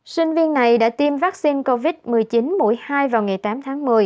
sinh viên này đã tiêm vaccine covid một mươi chín mũi hai vào ngày tám tháng một mươi